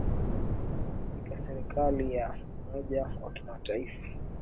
ika serikali ya umoja wa kitaifa